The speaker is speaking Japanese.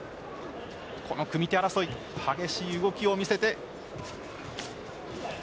この組み手争い激しい動きを見せて。